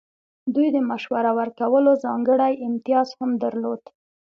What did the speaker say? دوی د مشوره ورکولو ځانګړی امتیاز هم درلود.